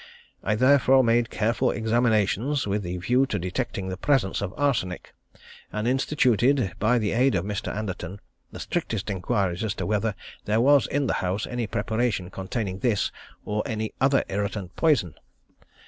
I therefore made careful examinations with the view to detecting the presence of arsenic; and instituted, by the aid of Mr. Anderton, the strictest inquiries as to whether there was in the house any preparation containing this or any other irritant poison.